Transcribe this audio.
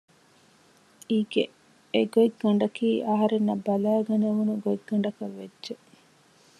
އަިގެ އެ ގޮތްގަނޑަކީ އަހަރެންނަށް ބަލައިގަނެވުނު ގޮތްގަނޑަކަށް ވެއްޖެ